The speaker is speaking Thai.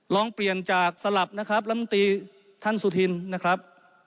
ลองเปลี่ยนจากสลับนะครับลำตีท่านสุธินนะครับ